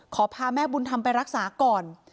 ขอพาแม่บุญธรรมไปรักษาก่อน